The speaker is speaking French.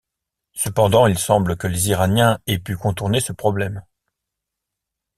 Cependant, il semble que les Iraniens aient pu contourner ce problème.